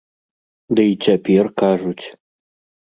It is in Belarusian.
Ды і цяпер кажуць!